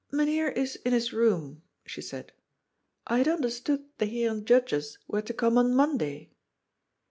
" Myn Heer is in his room," she said. " I had understood the Heeren Judges were to come on Monday."